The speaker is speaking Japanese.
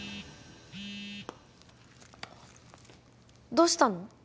どうしたの？